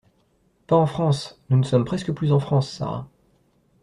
Pas en France. Nous ne sommes presque plus en France, Sara.